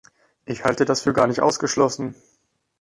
Ich halte das für gar nicht ausgeschlossen.